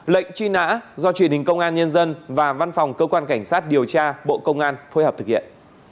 lệnh truy nã do truyền hình công an nhân dân và văn phòng cơ quan cảnh sát điều tra bộ công an phối hợp thực hiện